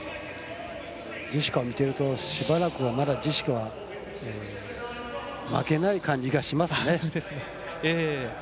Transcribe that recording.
ジェシカを見ているとまだしばらくジェシカは負けない感じがしますね。